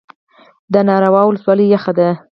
د ناور ولسوالۍ یخه ده